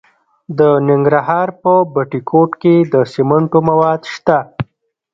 د ننګرهار په بټي کوټ کې د سمنټو مواد شته.